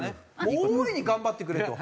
もう大いに頑張ってくれと。